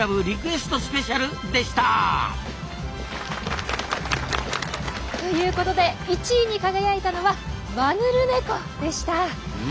リクエストスペシャル」でした！ということで１位に輝いたのはマヌルネコでした！